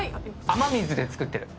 雨水で作ってる。